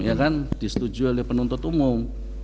ya kan disetujui oleh penuntut umum